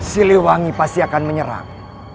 siliwangi pasti akan menyerang